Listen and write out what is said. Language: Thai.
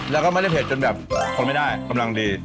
แล้วก็ไม่ได้เผ็ดจนแบบทนไม่ได้กำลังดี